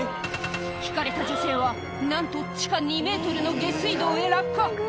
ひかれた女性は、なんと地下２メートルの下水道へ落下。